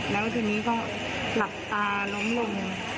แล้วทีนี้ก็หลับตาล้มลง